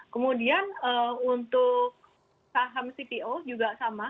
kemudian untuk saham cpo juga sama